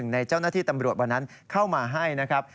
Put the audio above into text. ในเจ้าหน้าที่ตำรวจวันนั้นเข้ามาให้นะครับ